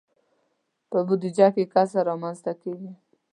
په بودجه کې کسر رامنځته کیږي.